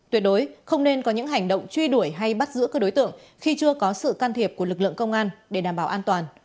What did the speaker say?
tuyệt đối không nên có những hành động truy đuổi hay bắt giữ các đối tượng khi chưa có sự can thiệp của lực lượng công an để đảm bảo an toàn